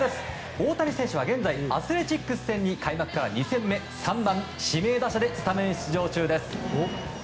大谷選手は現在アスレチックス戦に開幕から２戦目３番指名打者でスタメン出場中です。